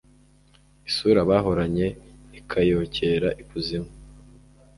isura bahoranye ikayokera ikuzimu